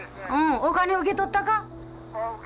お金受け取ったか？